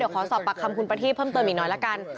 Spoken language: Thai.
ขอสอบปากคำคุณประทีบเพิ่มเติมอีกหน่อยละกัน